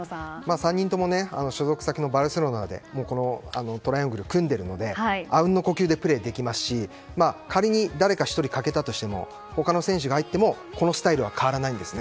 ３人とも所属先のバルセロナでトライアングルを組んでいるので阿吽の呼吸でプレーできますし仮に誰か１人欠けたとしても他の選手が入ってもこのスタイルは変わらないんですね。